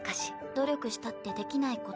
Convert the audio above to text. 努力したってできないことはある。